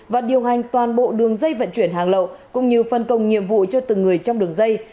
và điều hành toàn bộ đường dây vận chuyển hàng lậu cũng như phân công nhiệm vụ cho từng người trong đường dây